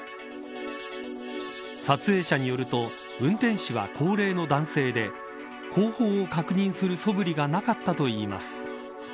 撮影者によると運転手は高齢の男性で後方を確認するそぶりがなかったといいます。